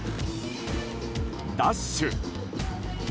ダッシュ。